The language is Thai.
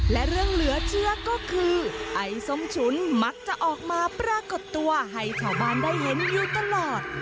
และเรื่องเหลือเชื้อก็คือไอ้ส้มฉุนมักจะออกมาปรากฏตัวให้ชาวบ้านได้เห็นอยู่ตลอด